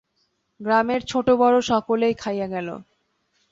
গ্রামের ছোটোবড়ো সকলেই খাইয়া গেল।